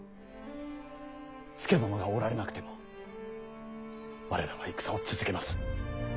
佐殿がおられなくても我らは戦を続けます。